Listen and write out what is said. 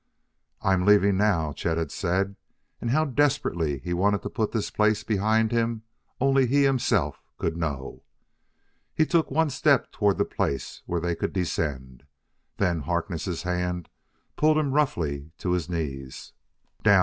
"I'm leaving now!" Chet had said, and how desperately he wanted to put this place behind him only he himself could know. He took one step toward the place where they could descend; then Harkness' hand pulled him roughly to his knees. "Down!"